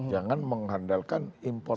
jangan mengandalkan impor terus